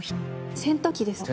洗濯機です。